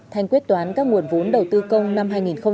thanh quyết toán các nguồn vốn đầu tư công năm hai nghìn hai mươi